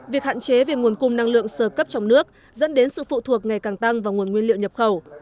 việc hạn chế về nguồn cung năng lượng sơ cấp trong nước dẫn đến sự phụ thuộc ngày càng tăng vào nguồn nguyên liệu nhập khẩu